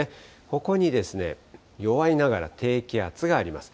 ここに弱いながら、低気圧があります。